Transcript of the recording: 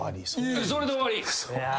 それで終わり！？